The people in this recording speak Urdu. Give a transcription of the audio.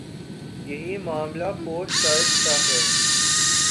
یہی معاملہ پوسٹ ٹرتھ کا ہے۔